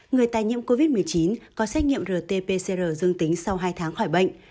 người tài nhiễm covid một mươi chín có xét nghiệm rt pcr dương tính sau hai tháng khỏi bệnh